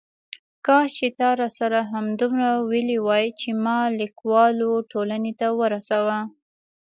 کاش چې تا راسره همدومره ویلي وای چې ما لیکوالو ټولنې ته ورسوه.